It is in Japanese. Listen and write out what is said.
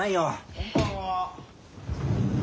こんばんは。